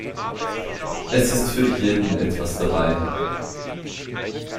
Es ist für jeden etwas dabei.